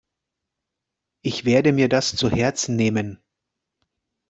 Ich werde mir das zu Herzen nehmen.